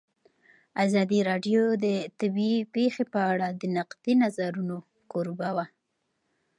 ازادي راډیو د طبیعي پېښې په اړه د نقدي نظرونو کوربه وه.